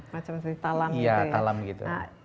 macam macam talam gitu ya